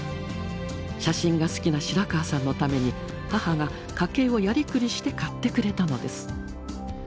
写真が好きな白川さんのために母が家計をやりくりして買ってくれたのです。